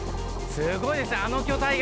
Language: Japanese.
すごいですね、あの巨体が。